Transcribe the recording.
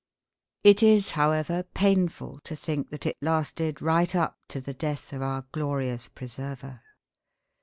It is, however, painful to think that it lasted right up to the death of our glorious preserver.